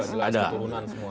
ras juga jelas keturunan semua